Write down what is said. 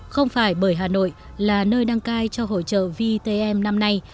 không phải bởi hà nội là nơi đăng cai cho hội trợ vtm năm nay